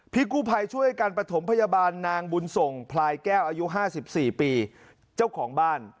พี่กู้ภัยช่วยกันประถมพยาบาลนางบุญส่งพลายแก้วอายุ๕๔ปีเจ้าของบ้าน